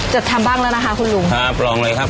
จะทำบ้างแล้วนะคะคุณลุงครับลองเลยครับ